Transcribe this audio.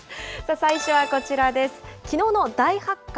最初はこちらです。